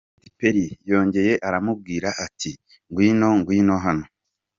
Katy Perry yongeye aramubwira ati “Ngwino, ngwino hano.